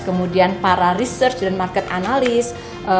kemudian para research dan market analyst